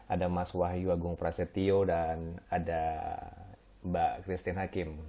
ada mas wahyu agung prasetyo dan ada mbak christine hakim